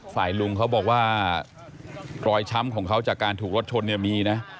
ลุงเขาบอกว่ารอยช้ำของเขาจากการถูกรถชนเนี่ยมีนะ